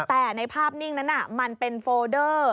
แต่ในภาพนิ่งนั้นมันเป็นโฟเดอร์